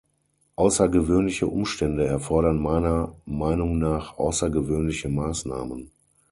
Außergewöhnliche Umstände erfordern meiner Meinung nach außergewöhnliche Maßnahmen.